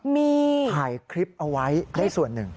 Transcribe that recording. มีถ่ายคลิปเอาไว้ได้ส่วนหนึ่ง